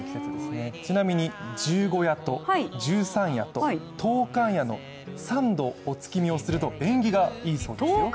ちなみに、十五夜と十三夜と十日夜の３度、お月見をすると縁起がいいそうです。